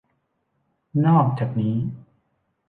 นอกจากนี้